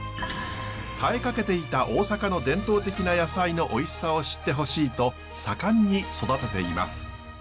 絶えかけていた大阪の伝統的な野菜のおいしさを知ってほしいと盛んに育てています。